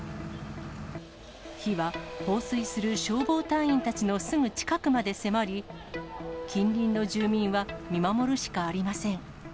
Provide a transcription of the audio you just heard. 火は放水する消防隊員たちのすぐ近くまで迫り、近隣の住民は見守るしかありません。